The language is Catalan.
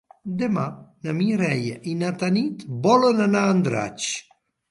Demà na Mireia i na Tanit volen anar a Andratx.